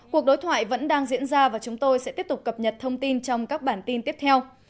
cuộc đối thoại vẫn đang diễn ra và chúng tôi sẽ tiếp tục cập nhật thông tin trong các bản tin tiếp theo